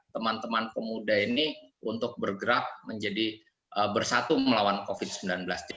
teman teman pemuda ini untuk bergerak menjadi bersatu melawan covid sembilan belas